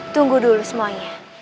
tunggu dulu semuanya